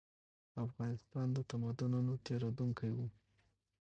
افغانستان د تمدنونو تېرېدونکی و.